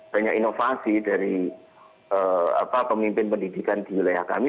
banyak inovasi dari pemimpin pendidikan di wilayah kami